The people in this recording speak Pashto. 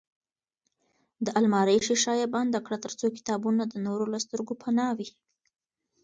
د المارۍ ښیښه یې بنده کړه ترڅو کتابونه د نورو له سترګو پناه وي.